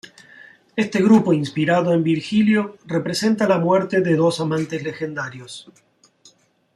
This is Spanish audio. Este grupo inspirado en Virgilio representa la muerte de dos amantes legendarios.